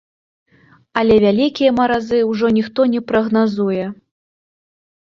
Але вялікія маразы ўжо ніхто не прагназуе.